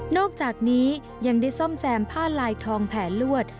อกจากนี้ยังได้ซ่อมแซมผ้าลายทองแผนลวด